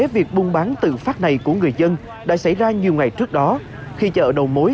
việc buôn bán tự phát này của người dân đã xảy ra nhiều ngày trước đó khi chợ đầu mối